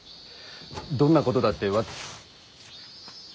どんなことだってわ。